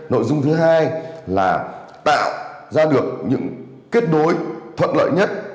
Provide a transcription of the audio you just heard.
nội dung thứ hai là tạo ra được những kết nối thuận lợi nhất